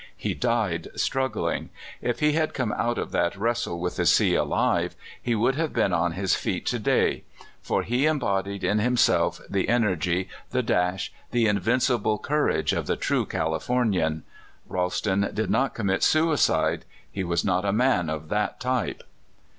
He died struggling. If he had come out of that wrestle with the sea alive, he would have been on his feet Il6 CALIFORNIA SKETCHES. to day ; for he embodied in himself the energy, the dash, the invincible courage of the true Californian. Ralston did not commit suicide. He was not a man of that type.